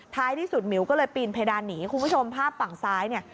ท้ายที่สุดหมิวก็เลยปีนเพดานหนีคุณผู้ชมภาพฝั่งซ้ายเนี่ย